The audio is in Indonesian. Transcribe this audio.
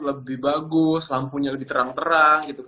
lebih bagus lampunya lebih terang terang